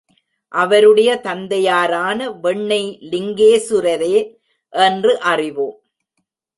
அவருடைய தந்தையாரான வெண்ணெய் லிங்கேசுரரே என்று அறிவோம்.